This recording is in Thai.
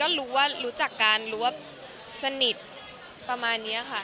ก็รู้ว่ารู้จักกันหรือว่าสนิทประมาณนี้ค่ะ